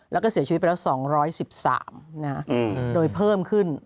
แล้วก็เสียชีวิตไปแล้ว๒๑๓โดยเพิ่มขึ้น